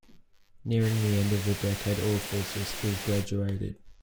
Nearing the end of the decade all four sisters graduated.